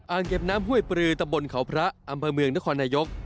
เก็บน้ำห้วยปลือตะบนเขาพระอำเภอเมืองนครนายก